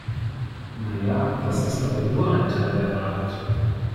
Na ja, das ist aber nur ein Teil der Wahrheit.